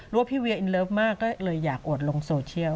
ว่าพี่เวียอินเลิฟมากก็เลยอยากอวดลงโซเชียล